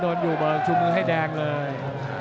ตอนนั้นโดนอยู่เบอร์ชูมือให้แดงเลย